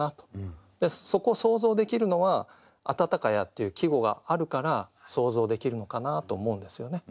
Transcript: でそこ想像できるのは「あたたかや」っていう季語があるから想像できるのかなと思うんですよね。